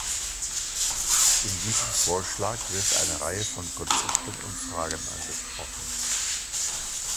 In diesem Vorschlag wird eine Reihe von Konzepten oder Fragen angesprochen.